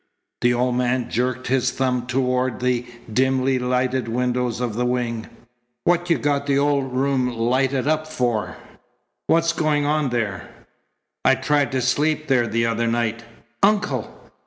The old man jerked his thumb toward the dimly lighted windows of the wing. "What you got the old room lighted up for? What's going on there? I tried to sleep there the other night " "Uncle!"